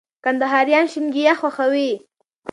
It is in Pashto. کندهاريان شينګياه خوښوي